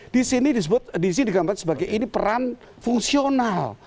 di sini di gambar sebagai ini peran fungsional